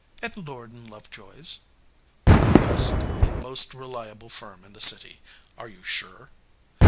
"At Lord & Lovejoy s." "The best and most reliable firm in the city. Are you sure?"